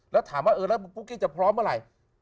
แล้วถามว่าเออแล้วปุ๊กกี้จะพร้อมเมื่อไหร่